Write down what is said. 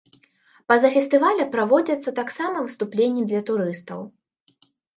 Па-за фестываля праводзяцца таксама выступленні для турыстаў.